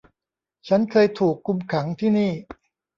ฉันเคยถูกคุมขังที่นี่